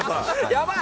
やばい！